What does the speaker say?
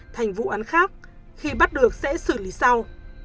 thành vụ án khác khi bắt được sẽ xử lý sau